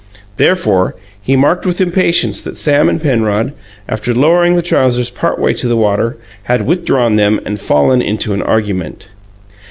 Therefore, he marked with impatience that Sam and Penrod, after lowering the trousers partway to the water, had withdrawn them and fallen into an argument.